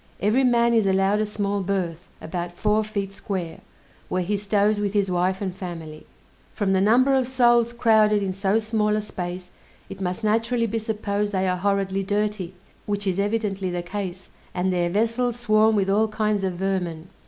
Every man is allowed a small berth, about four feet square, where he stows with his wife and family. From the number of souls crowded in so small a space, it must naturally be supposed they are horridly dirty, which is evidently the case, and their vessels swarm with all kinds of vermin.